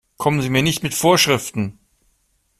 Kommen Sie mir nicht mit Vorschriften!